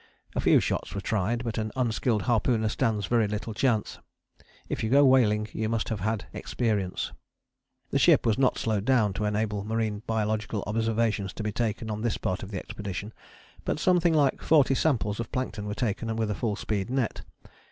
A few shots were tried, but an unskilled harpooner stands very little chance. If you go whaling you must have had experience. The ship was not slowed down to enable marine biological observations to be taken on this part of the expedition, but something like forty samples of plankton were taken with a full speed net.